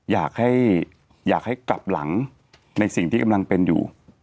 อยากให้กลับหลังในสิ่งที่กำลังเป็นอยู่